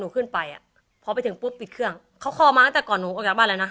ขึ้นไปอ่ะพอไปถึงปุ๊บปิดเครื่องเขาคอมาตั้งแต่ก่อนหนูออกจากบ้านแล้วนะ